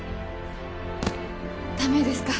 駄目ですか？